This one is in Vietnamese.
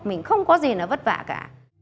mình không có gì nó vất vả cả